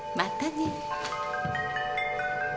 ね。